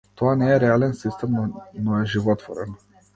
Тоа не е реален систем, но е животворен.